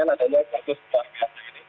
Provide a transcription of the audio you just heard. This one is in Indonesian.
adanya kasus keluarga